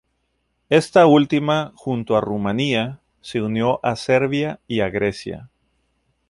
Esta última, junto a Rumanía se unió a Serbia y a Grecia.